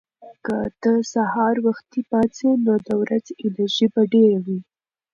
که ته سهار وختي پاڅې، نو د ورځې انرژي به ډېره وي.